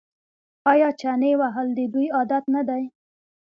آیا چنې وهل د دوی عادت نه دی؟